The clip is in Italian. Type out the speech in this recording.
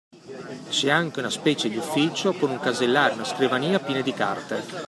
C'è anche una specie di ufficio con un casellario e una scrivania pieni di carte.